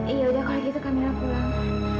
iya udah kalau gitu kamera pulang